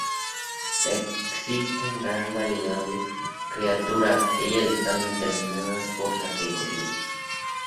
Existen gran variedad de criaturas, ellas están determinadas por categorías.